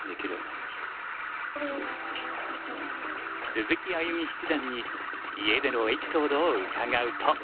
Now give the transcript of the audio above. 鈴木歩七段に家でのエピソードを伺うと。